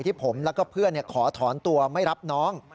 ที่ผมแล้วก็เพื่อนขอถอนตัวไม่รับน้อง